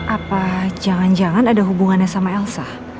apa jangan jangan ada hubungannya sama elsa